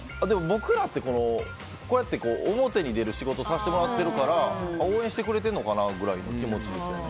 僕らって、表に出る仕事をさせてもらってるから応援してくれてるのかなみたいな気持ちですよ。